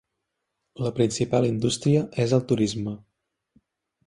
La principal indústria és el turisme.